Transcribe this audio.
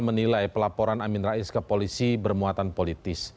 menilai pelaporan amin rais ke polisi bermuatan politis